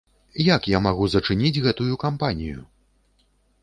Як я магу зачыніць гэтую кампанію?